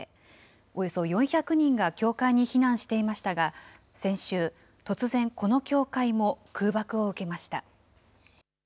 およそ４００人が教会に避難していましたが、先週、突然、この教会も空爆を受けました。